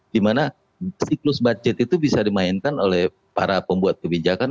dimana siklus budget itu bisa dimainkan oleh para pembuat kebijakan